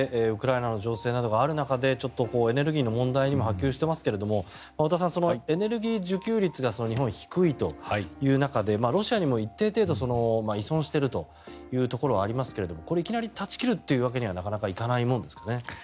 ウクライナの情勢などがある中でちょっとエネルギーの問題にも波及してますけれども太田さん、エネルギー自給率が日本は低いという中でロシアにも一定程度依存しているというところはありますけれどもこれいきなり断ち切るというわけにはなかなかいかないものですね。